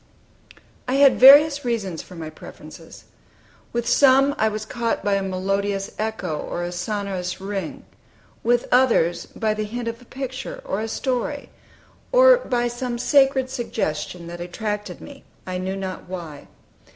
I had various reasons for my preferences. With some, I was caught by a melodious echo, or a sonorous ring; with others by the hint of a picture, or a story, or by some sacred suggestion that attracted me, I knew not why.